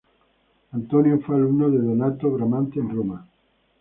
Antonio fue alumno de Donato Bramante en Roma.